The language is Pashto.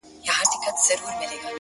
زه يې په هر ټال کي اویا زره غمونه وينم”